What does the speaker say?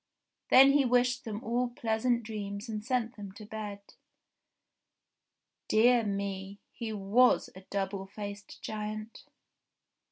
Then he wished them all pleasant dreams and sent them to bed. Dear me ! He was a double faced giant